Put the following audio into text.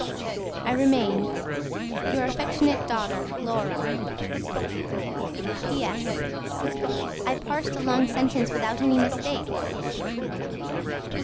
I REMAIN YOUR AFECTIONATE DAUGHTER LAURA. P.S. I PARSSED A LONG SENTENCE WITHOUT ANY MISTAKES.